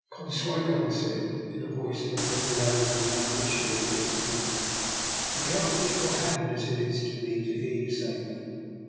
" Consuelo," I said, in a voice but little louder than that in which she had addressed me, " you cannot think what happiness it is to me to hear you say that.